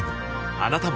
あなたも